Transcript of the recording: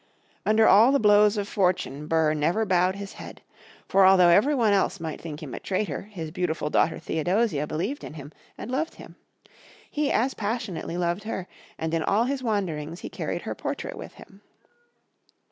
Under all the blows of fortune Burr never bowed his head. For although every one else might think him a traitor his beautiful daughter Theodosia believed in him and loved him. He as passionately loved her, and in all his wanderings he carried her portrait with him.